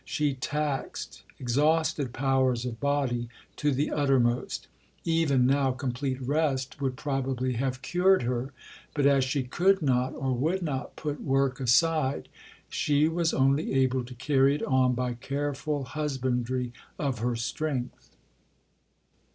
She taxed exhausted powers of body to the uttermost. Even now complete rest would probably have cured her; but as she could not or would not put work aside, she was only able to carry it on by careful husbandry of her strength.